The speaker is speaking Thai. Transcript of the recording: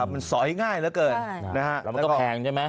มันสอยง่ายเหลือเกินแล้วมันก็แพงใช่ไหม